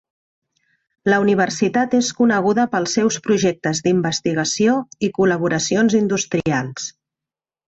La universitat és coneguda pels seus projectes d'investigació i col·laboracions industrials.